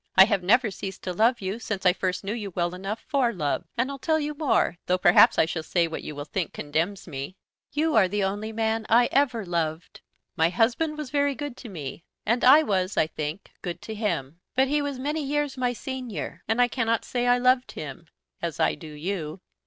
I have never ceased to love you since I first knew you well enough for love. And I'll tell you more, though perhaps I shall say what you will think condemns me; you are the only man I ever loved. My husband was very good to me, and I was, I think, good to him. But he was many years my senior, and I cannot say I loved him, as I do you."